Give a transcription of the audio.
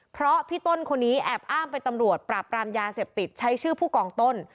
เพราะพี่ต้นคนนี้แอบอ้างเป็นตำรวจปราบปรามยาเสพติดใช้ชื่อผู้กองต้น